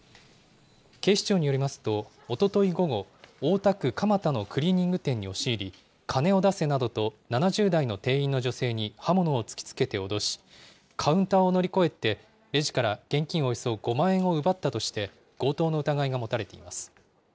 警視庁によりますと、おととい午後、大田区蒲田のクリーニング店に押し入り、金を出せなどと７０代の店員の女性に刃物を突き付けて脅し、カウンターを乗り越えて、レジから現金およそ５万円を奪ったとして、強盗の疑いが持たれています。